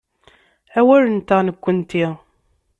Awal-nteɣ, nekkenti.